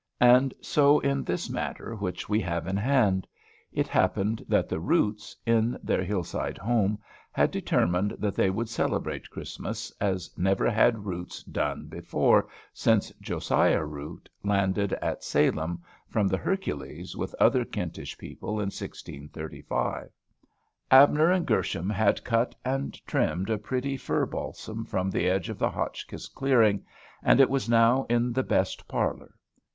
And so in this matter we have in hand; it happened that the Roots, in their hillside home, had determined that they would celebrate Christmas, as never had Roots done before since Josiah Root landed at Salem, from the "Hercules," with other Kentish people, in 1635. Abner and Gershom had cut and trimmed a pretty fir balsam from the edge of the Hotchkiss clearing; and it was now in the best parlor.